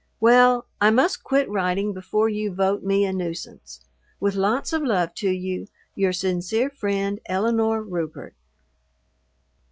Well, I must quit writing before you vote me a nuisance. With lots of love to you, Your sincere friend, ELINORE RUPERT.